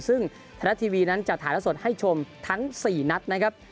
ซึ่งไทยรัฐทีวีนั้นจะถ่ายละสดให้ชมทั้ง๔นัดนะครับ